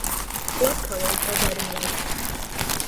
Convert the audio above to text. Club colours are red and white.